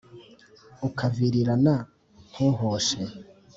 ukavirirana ntuhoshe